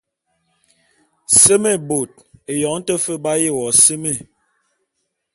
Seme bot, eyong te fe b’aye wo seme.